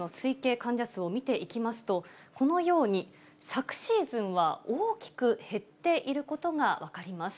患者数を見ていきますと、このように昨シーズンは大きく減っていることが分かります。